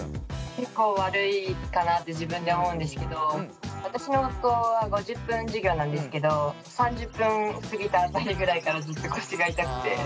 結構悪いかなって自分で思うんですけど私の学校は５０分授業なんですけど３０分過ぎた辺りぐらいからずっと腰が痛くて。